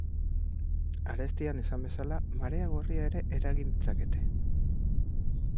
Arestian esan bezala, marea gorria ere eragin ditzakete.